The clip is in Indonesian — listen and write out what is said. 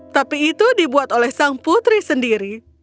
tapi itu dibuat oleh sang putri sendiri